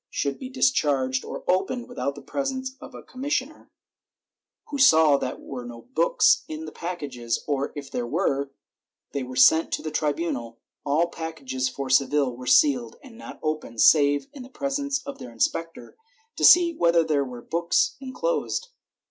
506 CENSORSHIP [Book VIII could be discharged or opened without the presence of a commis sioner, who saw that there were no books in the packages or, if there were, they were sent to the tribunal. All packages for Seville were sealed and not opened save in the presence of their inspector, to see whether there were books enclosed.